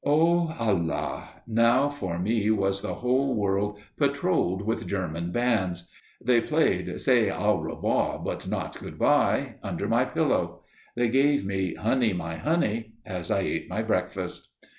O Allah! Now for me was the whole world patrolled with German bands! They played "Say Au Revoir, but not Good bye" under my pillow; they gave me "Honey, my Honey" as I ate my breakfast.